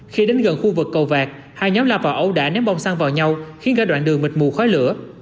khi đến gần khu vực cầu vạt hai nhóm la vào ấu đả ném bông xăng vào nhau khiến cả đoạn đường mịt mù khói lửa